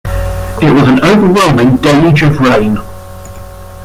It was an overwhelming deluge of rain.